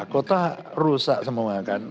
kota rusak semua kan